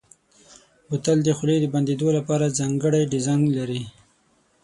بوتل د خولې د بندېدو لپاره ځانګړی ډیزاین لري.